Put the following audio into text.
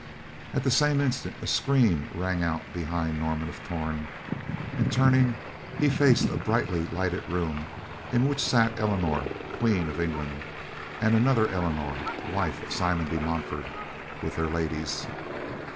At the same instant, a scream rang out behind Norman of Torn, and, turning, he faced a brightly lighted room in which sat Eleanor, Queen of England and another Eleanor, wife of Simon de Montfort, with their ladies.